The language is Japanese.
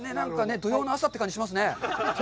土曜の朝って感じがしますね。